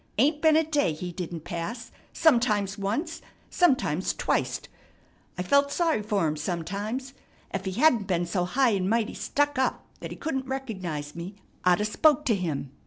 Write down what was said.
Ain't been a day he didn't pass, sometimes once, sometimes twicet. I felt sorry fer him sometimes. Ef he hadn't been so high an' mighty stuck up that he couldn't recognize me, I'd 'a' spoke to him.